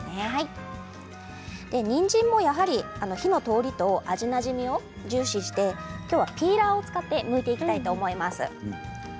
火の通りと味なじみを重視してきょうはピーラーを使ってむいていきたいと思います。